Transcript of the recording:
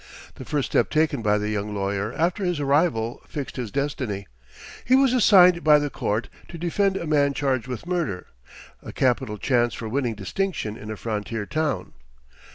The first step taken by the young lawyer after his arrival fixed his destiny. He was assigned by the court to defend a man charged with murder a capital chance for winning distinction in a frontier town.